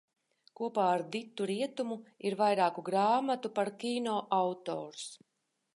Kopā ar Ditu Rietumu ir vairāku grāmatu par kino autors.